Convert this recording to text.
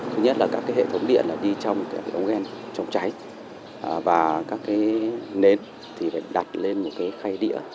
thứ nhất là các hệ thống điện đi trong cái ống ghen chống cháy và các nến thì phải đặt lên một cái khay địa